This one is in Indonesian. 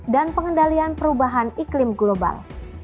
dan pengendalian perubahan iklim global